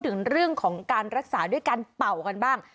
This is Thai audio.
ถึงเรื่องของการรักษาด้วยการเป่ากันบ้าง